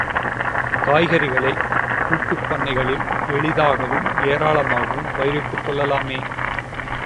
காய்கறிகளைக் கூட்டுப் பண்ணைகளில் எளிதாகவும் ஏராளமாகவும் பயிரிட்டுக் கொள்ளலாமே.